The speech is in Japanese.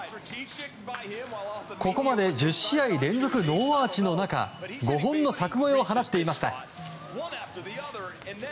ここまで１０試合連続ノーアーチの中５本の柵越えを放っていました。